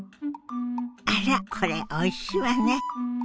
あらこれおいしいわね！